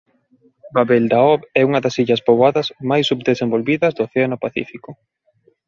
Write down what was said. Babeldaob é unha das illas poboadas máis subdesenvolvidas do Océano Pacífico.